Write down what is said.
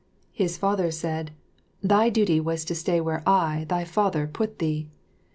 His father said, "Thy duty was to stay where I, thy father, put thee!"